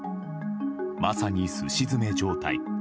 まさに、すし詰め状態。